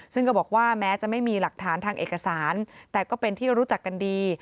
ซึ่งก็บอกว่าแม้จะไม่มีหลักฐานทางเอกสารแต่ก็เป็นที่รู้จักกันดี